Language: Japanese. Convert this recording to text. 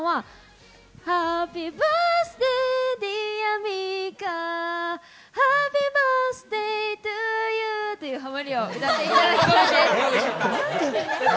後半はハッパーバースデーディアミカ、ハッピーバースデートゥーユーというハモリを歌っていただきます。